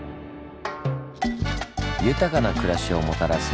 豊かな暮らしをもたらす